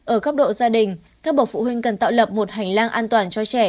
ở góc độ gia đình các bậc phụ huynh cần tạo lập một hành lang an toàn cho trẻ